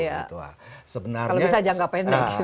kalau bisa jangka pendek